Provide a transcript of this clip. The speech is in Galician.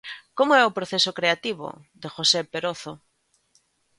Como é o proceso creativo de José Perozo?